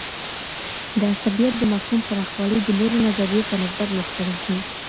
د عصبيت د مفهوم پراخوالی د نورو نظریو په نسبت مختلف دی.